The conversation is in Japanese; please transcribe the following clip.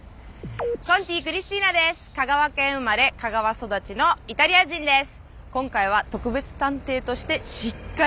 香川県生まれ香川育ちのイタリア人です。